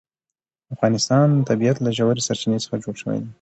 د افغانستان طبیعت له ژورې سرچینې څخه جوړ شوی دی.